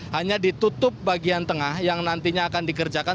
hanya ditutup bagian tengah yang nantinya akan dikerjakan